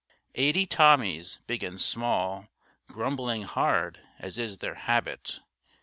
Eighty Tommies, big and small, Grumbling hard as is their habit.